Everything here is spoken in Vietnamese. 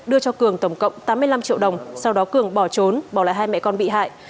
đưa cho cường tổng cộng tám mươi năm triệu đồng sau đó cường bỏ trốn bỏ lại hai mẹ con bị hại